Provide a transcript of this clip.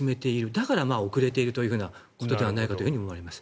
だから遅れているということではないかと思います。